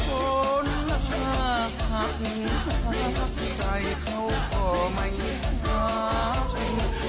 คนฮะครับใจเขาขอไม่กลับ